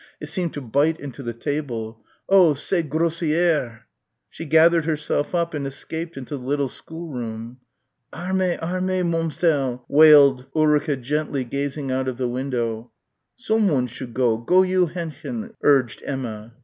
It seemed to bite into the table. "Oh, c'est grossière!" She gathered herself up and escaped into the little schoolroom. "Armes, armes, Momzell," wailed Ulrica gently gazing out of the window. "Som one should go, go you, Henchen," urged Emma.